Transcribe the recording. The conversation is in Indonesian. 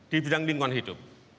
di bidang lingkuan hidup